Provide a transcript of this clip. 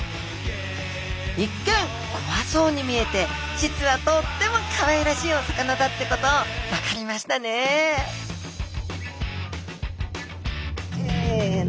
一見怖そうに見えて実はとってもかわいらしいお魚だってこと分かりましたねせの！